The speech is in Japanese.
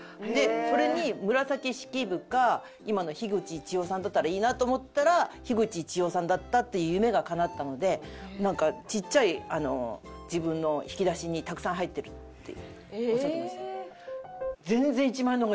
それに紫式部か今の口一葉さんだったらいいなと思ったら口一葉さんだったっていう夢がかなったのでなんかちっちゃい自分の引き出しにたくさん入ってるっていうおっしゃってました。